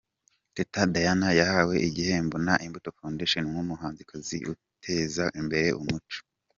Teta Diana yahawe igihembo na Imbuto Foundation nk’umuhanzi uteza imbere umuco.